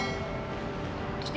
gak kita kita lo kenapa